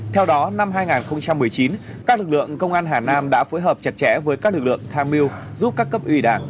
theo đó năm hai nghìn một mươi chín các lực lượng công an hà nam đã phối hợp chặt chẽ với các lực lượng tham mưu giúp các cấp ủy đảng